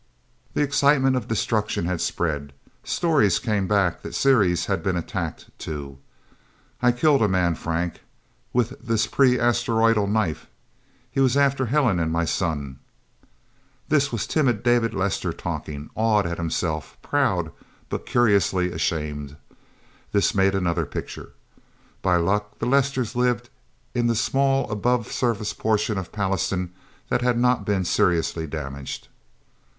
The excitement of destruction had spread. Stories came back that Ceres had been attacked, too. "I killed a man, Frank with this pre Asteroidal knife. He was after Helen and my son..." This was timid David Lester talking, awed at himself, proud, but curiously ashamed. This made another picture. By luck the Lesters lived in the small above the surface portion of Pallastown that had not been seriously damaged.